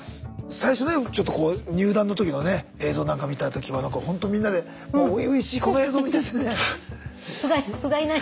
最初ねちょっとこう入団の時のね映像なんか見た時は何かほんとみんなで初々しいこの映像を見ててね。